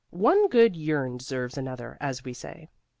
One good yearn deserves another, as we say.